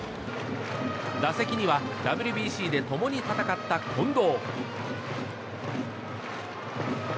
打席にはＷＢＣで共に戦った近藤。